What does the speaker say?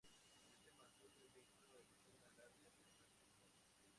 Él se mantuvo invicto en una larga cadena de combate.